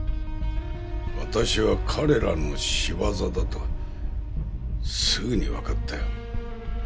私は彼らの仕業だとすぐにわかったよ。